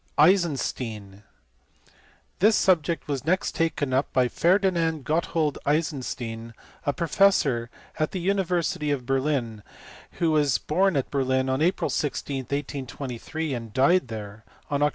Eisenstein. This subject was next taken up by Ferdinand Gotthold Eisenstein, a professor at the university of Berlin, who was born at Berlin on April 16, 1823, and died there on Oct.